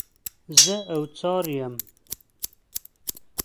زه اوڅار یم.